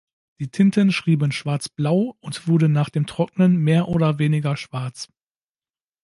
Die Tinten schrieben schwarzblau und wurden nach dem Trocknen mehr oder weniger schwarz.